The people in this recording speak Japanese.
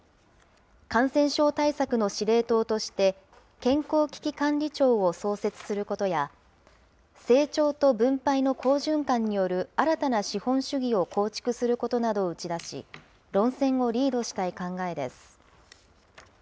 感染症対策の司令塔として、健康危機管理庁を創設することや、成長と分配の好循環による新たな資本主義を構築することなどを打ち出し、論戦をリードしたい考えです。